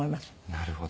なるほど。